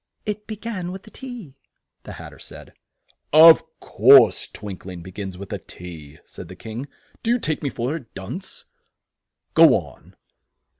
"It be gan with the tea," the Hat ter said. "Of course twink ling be gins with a T!" said the King. "Do you take me for a dunce? Go on!"